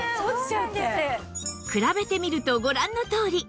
比べてみるとご覧のとおり！